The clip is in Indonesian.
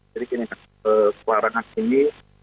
jadi kini kekuarangan ini